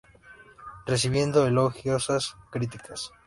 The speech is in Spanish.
Recibiendo elogiosas críticas.